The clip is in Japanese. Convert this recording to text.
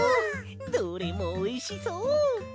どれもおいしそう！